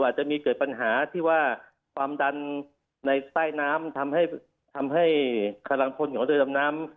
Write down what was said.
อาจจะมีเกิดปัญหาที่ว่าความดันในใต้น้ำทำให้กำลังพลของเรือดำน้ำ